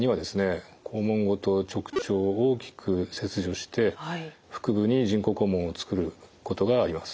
肛門ごと直腸を大きく切除して腹部に人工肛門を作ることがあります。